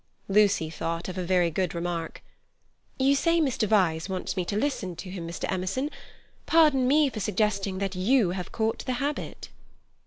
Lucy thought of a very good remark. "You say Mr. Vyse wants me to listen to him, Mr. Emerson. Pardon me for suggesting that you have caught the habit."